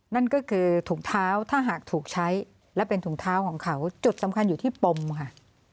นั่นก็คือถุงเท้าถ้าหากถูกใช้และเป็นถุงเท้าของเขาจุดสำคัญอยู่ที่ปมค่ะ